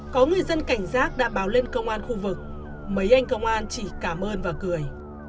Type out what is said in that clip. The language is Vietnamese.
có người dân cảnh giác đã báo lên công an khu vực mấy anh công an chỉ cảm ơn và cười